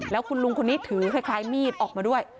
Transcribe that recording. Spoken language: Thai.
แล้วคุณลุงคนนี้ถือคล้ายมีดออกมาด้วย